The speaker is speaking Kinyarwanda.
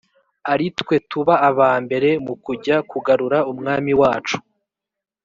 ari twe tuba aba mbere mu kujya kugarura umwami wacu